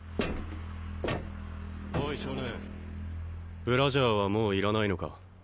おい少年ブラジャーはもういらないのか？